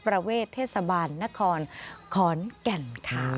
เวทเทศบาลนครขอนแก่นค่ะ